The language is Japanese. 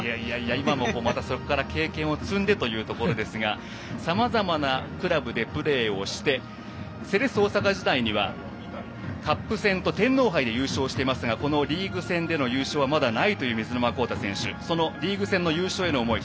今もそこから経験を積んでというところですがさまざまなクラブでプレーをしてセレッソ大阪時代にはカップ戦と天皇杯優勝していますがこのリーグ戦での優勝はまだないという水沼宏太選手そのリーグ戦の優勝への思い